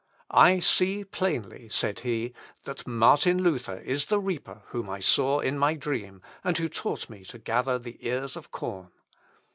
"I see plainly," said he, "that Martin Luther is the reaper whom I saw in my dream, and who taught me to gather the ears of corn."